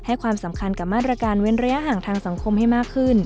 ความสำคัญกับมาตรการเว้นระยะห่างทางสังคมให้มากขึ้น